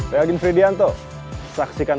pemimpin dua tokoh yang